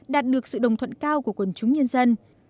đạt được sự đồng thuận cao của quần chúng nhân dân